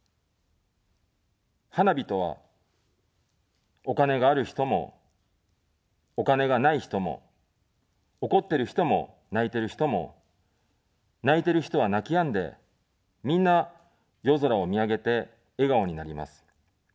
花火とは、お金がある人も、お金がない人も、怒ってる人も、泣いてる人も、泣いてる人は泣きやんで、みんな、夜空を見上げて、笑顔になります。